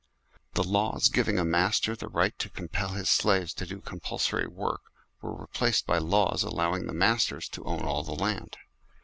The laws giving a master the right to com pel his slaves to do compulsory work, were re placed by laws allowing the masters to own all the land.